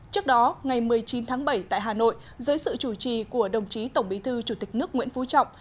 trước đó ngày một mươi chín tháng bảy tại hà nội dưới sự chủ trì của đồng chí tổng bí thư chủ tịch nước nguyễn phú trọng